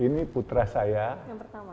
ini bekas pacar saya yang sekarang jadi istri saya